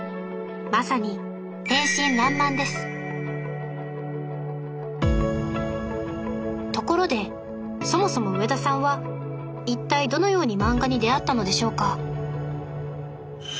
まさに天真爛漫ですところでそもそも上田さんは一体どのように漫画に出会ったのでしょうか？